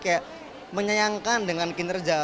kayak menyayangkan dengan kinerja